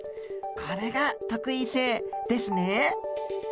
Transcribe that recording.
これが特異性ですね。